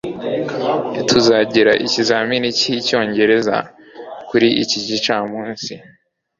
tuzagira ikizamini cyicyongereza kuri iki gicamunsi